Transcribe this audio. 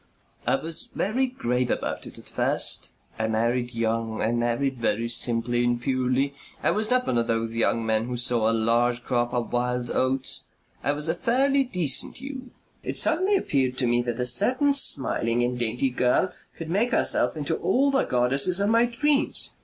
"I was very grave about it at first. I married young. I married very simply and purely. I was not one of those young men who sow a large crop of wild oats. I was a fairly decent youth. It suddenly appeared to me that a certain smiling and dainty girl could make herself into all the goddesses of my dreams.